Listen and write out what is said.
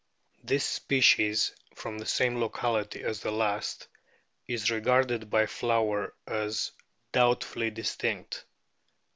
This species, from the same locality as the last, is regarded by Flower as doubtfully distinct.